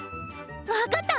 分かった！